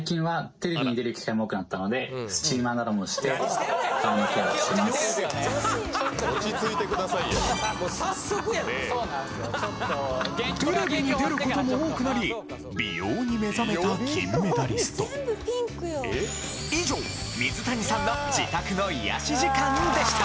テレビに出ることも多くなり美容に目覚めた金メダリスト以上水谷さんの自宅の癒し時間でした